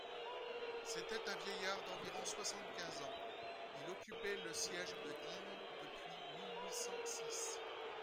C'était un vieillard d'environ soixante-quinze ans, il occupait le siège de Digne depuis mille huit cent six.